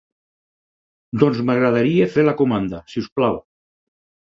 Doncs m'agradaria fer la comanda, si us plau.